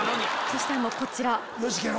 そしてこちら。